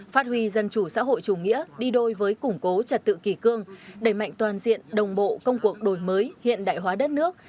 phát huy dân chủ xã hội chủ nghĩa đi đôi với củng cố trật tự kỳ cương đẩy mạnh toàn diện đồng bộ công cuộc đổi mới hiện đại hóa đất nước